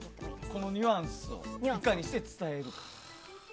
このニュアンスをいかにして伝えるか。